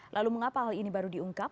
lalu mengapa hal ini baru diungkap